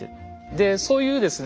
でそういうですね